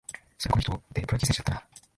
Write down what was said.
そういえば、この人ってプロ野球選手だったな